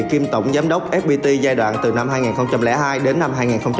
kiêm tổng giám đốc fpt giai đoạn từ năm hai nghìn hai đến năm hai nghìn chín